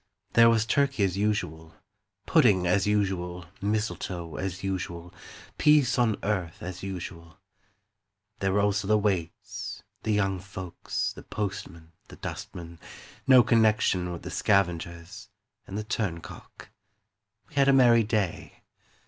There was turkey as usual, Pudding as usual, Mistletoe as usual, Peace on earth as usual. There were also the waits, The young folks, The postman, The dustman (No connection with the scavengers), And the turncock. We had a merry day.